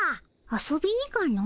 遊びにかの？